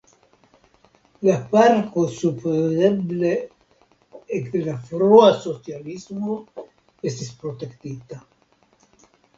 La parko supozeble ekde la frua socialismo estis protektita.